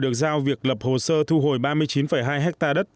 được giao việc lập hồ sơ thu hồi ba mươi chín hai ha đất